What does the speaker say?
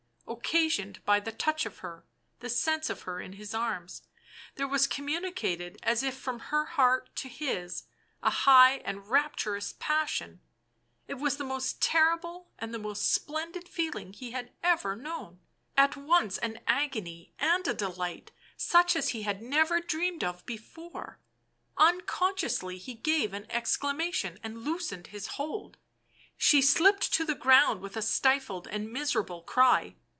Occasioned by the touch of her, the sense of her in his arms, there Digitized by UNIVERSITY OF MICHIGAN Original from UNIVERSITY OF MICHIGAN 206 BLACK MAGIC was communicated, as if from her heart to his, a high and rapturous passion ; it was the most terrible and the most splendid feeling he had ever known, at once an agony and a delight such as he had never dreamed of before ; unconsciously he gave an exclamation and loosened his hold. She slipped to the ground with a stifled and miserable cry.